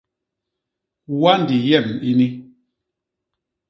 Wandi yem ini.